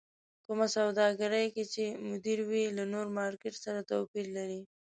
کومه سوداګرۍ کې چې مدير وي له نور مارکېټ سره توپير لري.